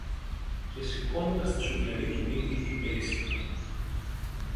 Και σηκώνοντας τη σουβλερή του μύτη είπε ήσυχα: